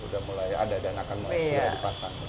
udah mulai ada dan akan mulai dipasarkan